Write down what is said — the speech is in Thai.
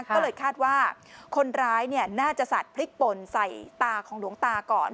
ก็เลยคาดว่าคนร้ายน่าจะสัดพริกป่นใส่ตาของหลวงตาก่อน